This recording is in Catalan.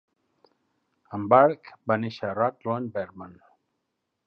En Burke va néixer a Rutland, Vermont.